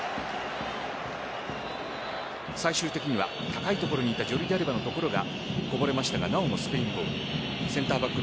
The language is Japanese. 最終的には高い所にいたジョルディアルバの所がこぼれましたがなおもスペインボール。